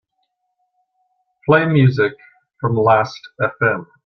Play music from Lastfm.